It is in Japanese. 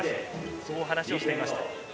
そう話しをしていました。